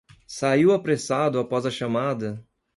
Saiu apressado após a chamada